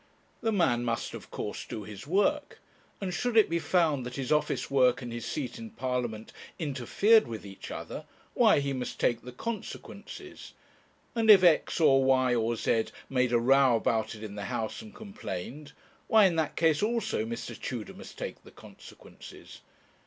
The man must of course do his work and should it be found that his office work and his seat in Parliament interfered with each other, why, he must take the consequences. And if or or made a row about it in the House and complained, why in that case also Mr. Tudor must take the consequences.